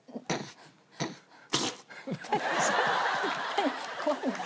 何？